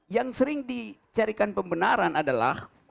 yang sering dicarikan pembenaran adalah